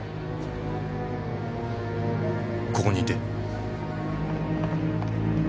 ここにいて。